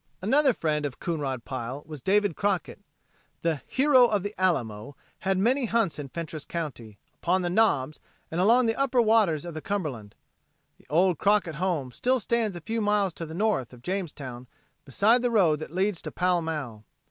Another friend of Coonrod Pile was David Crockett. The "Hero of the Alamo" had many hunts in Fentress county, upon the "Knobs" and along the upper waters of the Cumberland. The old Crockett home still stands a few miles to the north of Jamestown beside the road that leads to Pall Mall.